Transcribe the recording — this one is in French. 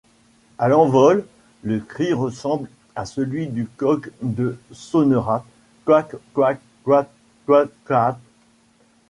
A l’envol, le cri ressemble à celui du coq de Sonnerat kak-kak-kak-kakaak.